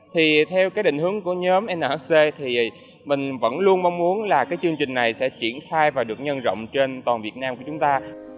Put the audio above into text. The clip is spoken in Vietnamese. thì theo cái định hướng của nhóm nhc thì mình vẫn luôn mong muốn là cái chương trình này sẽ triển khai và được nhân rộng trên toàn việt nam của chúng ta